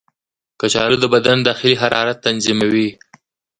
کچالو د بدن داخلي حرارت تنظیموي.